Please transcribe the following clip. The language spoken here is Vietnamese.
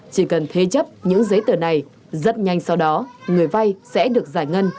chỉ cần thế chấp những giấy tờ này rất nhanh sau đó người vay sẽ được giải ngân